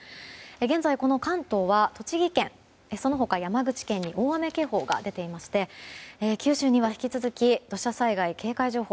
現在、関東は栃木県その他、山口県に大雨警報が出ていまして九州には引き続き土砂災害警戒情報